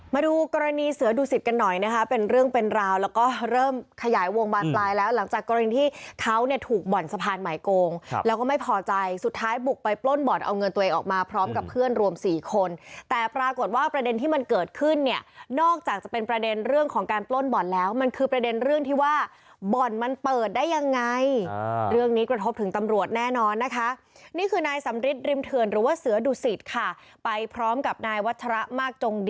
มาดูกรณีเสือดุสิตกันหน่อยนะคะเป็นเรื่องเป็นราวแล้วก็เริ่มขยายวงบ้านตายแล้วหลังจากกรณีที่เขาถูกบ่อนสะพานหมายโกงแล้วก็ไม่พอใจสุดท้ายบุกไปปล้นบ่อนเอาเงินตัวเองออกมาพร้อมกับเพื่อนรวมสี่คนแต่ปรากฏว่าประเด็นที่มันเกิดขึ้นนอกจากจะเป็นประเด็นเรื่องของการปล้นบ่อนแล้วมันคือประเด็นเรื่องที่ว่าบ่อนมั